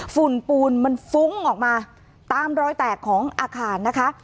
ฝุ่นปูนมันฟุ้งออกมาตามรอยแตกของอาคารนะคะ